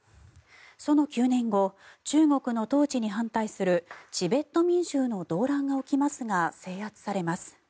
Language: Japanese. その９年後中国の統治に反対するチベット民衆の動乱が起きますが制圧されます。